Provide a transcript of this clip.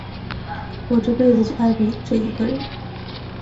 我这辈子就爱过这一个人。